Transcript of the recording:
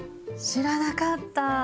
知らなかった。